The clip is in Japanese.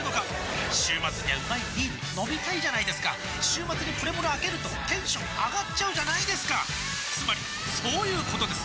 週末にはうまいビール飲みたいじゃないですか週末にプレモルあけるとテンション上がっちゃうじゃないですかつまりそういうことです！